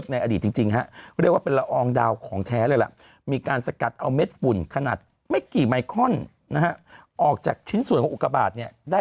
นี่เป็นการค้นพบตัวอย่าง